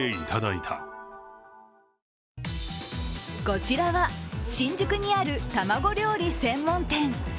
こちらは新宿にある卵料理専門店。